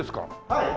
はい。